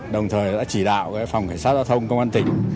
đồng thời đã chỉ đạo phòng cảnh sát giao thông công an tỉnh